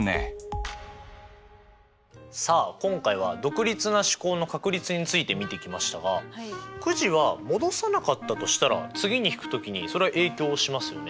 今回は独立な試行の確率について見てきましたがくじは戻さなかったとしたら次に引く時にそれは影響しますよね。